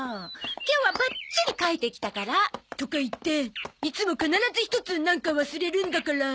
今日はバッチリ書いてきたから。とか言っていつも必ずひとつなんか忘れるんだから。